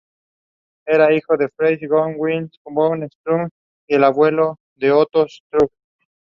Ramsha is kidnapped that night and killed.